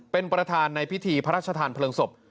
เป็นประธานในพิธีพระราชทานเพลิงศพ